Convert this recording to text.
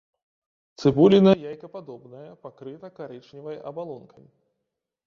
Цыбуліна яйкападобная, пакрыта карычневай абалонкай.